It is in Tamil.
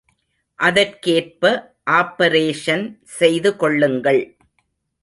அதற்கேற்ப ஆப்பரேஷன் செய்து கொள்ளுங்கள்.